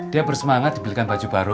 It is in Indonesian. dia bersemangat dibelikan baju baru